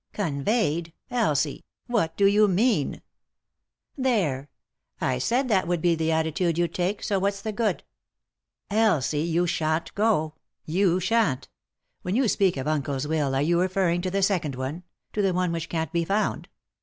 " Conveyed ?— Elsie I What do you mean ?"" There ; I said that would be the attitude you'd take, so what's the good ?"" Elsie, you shan't go I— you shan't 1 When you speak of uncle's will are you referring to the second one — to the one which can't be found